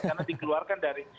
karena dikeluarkan dari